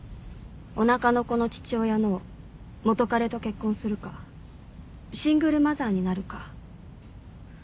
おなかの子の父親の元カレと結婚するかシングルマザーになるか。